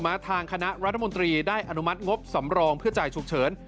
ทางคณะรัฐมนตรีได้อนุมัติงบสำรองเพื่อจ่ายฉุกเฉิน